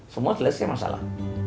semua selesai masalah